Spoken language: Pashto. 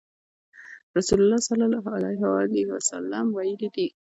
رسول الله صلی الله عليه وسلم ويلي دي :